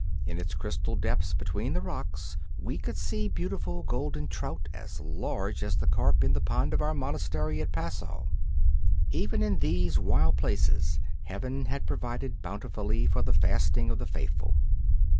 In its crystal depths between the rocks we could see beautiful golden trout as large as the carp in the pond of our monastery at Passau. Even in these wild places Heaven had provided bountifully for the fasting of the faithful.